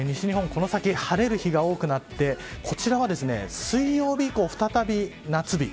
この先晴れる日が多くなってこちらは水曜日以降、再び夏日。